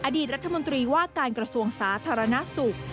อดีตรัฐมนตรีว่าการกระทรวงสาธารณสุข